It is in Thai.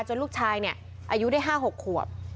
ลูกชายเนี่ยอายุได้๕๖ขวบ